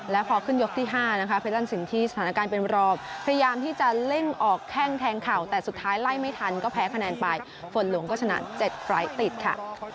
แล้วพอขึ้นยกที่๕นะคะเพตันสินที่สถานการณ์เป็นรองพยายามที่จะเร่งออกแข้งแทงเข่าแต่สุดท้ายไล่ไม่ทันก็แพ้คะแนนไปฝนหลวงก็ชนะ๗ไฟล์ติดค่ะ